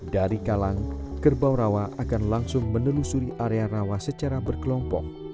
dari kalang kerbau rawa akan langsung menelusuri area rawa secara berkelompok